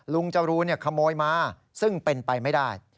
ลุงจรูเนี่ยขโมยมาซึ่งเป็นไปไม่ได้